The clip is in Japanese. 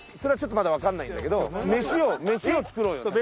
れはちょっとまだ分かんないんだけど。を飯を作ろうよ。